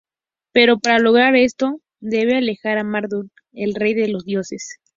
Pero para lograr esto, debe alejar a Marduk, el rey de los dioses.